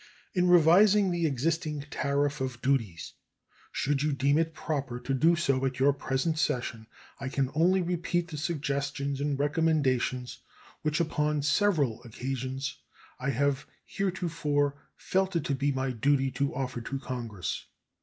In revising the existing tariff of duties, should you deem it proper to do so at your present session, I can only repeat the suggestions and recommendations which upon several occasions I have heretofore felt it to be my duty to offer to Congress.